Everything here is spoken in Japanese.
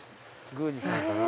宮司さんかな？